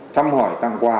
thăm hỏi tặng quà